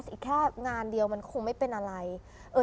อีกแค่งานเดียวมันคงไม่เป็นอะไร